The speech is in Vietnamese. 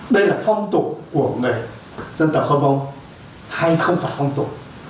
đây là phong tổ của người dân tộc âm ông hay không phải phong tổ